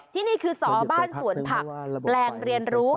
ที่นี่คือสอบ้านสวนผักแปลงเรียนรู้